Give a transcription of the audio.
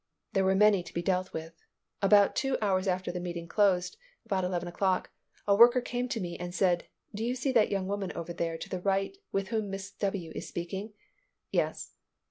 There were many to be dealt with. About two hours after the meeting closed, about eleven o'clock, a worker came to me and said, "Do you see that young woman over to the right with whom Miss W—— is speaking?" "Yes."